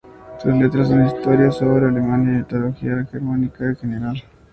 Sus letras son historias sobre Alemania y la mitología germánica en general.